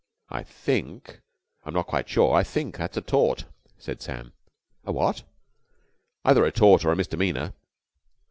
"I think I'm not quite sure I think that's a tort," said Sam. "A what?" "Either a tort or a misdemeanour."